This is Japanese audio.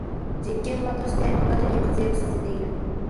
実験場として若手に活用させている